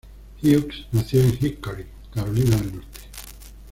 Hughes nació en Hickory, Carolina del Norte.